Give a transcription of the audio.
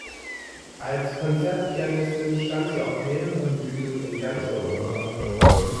Als Konzertpianistin stand sie auf mehreren Bühnen in ganz Europa.